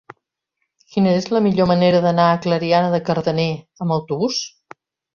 Quina és la millor manera d'anar a Clariana de Cardener amb autobús?